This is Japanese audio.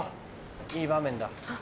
いい場面だ。